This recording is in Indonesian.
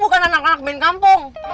mereka itu bukan anak anak band kampung